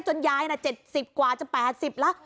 จนยาย๗๐กว่าจะ๘๐แล้ว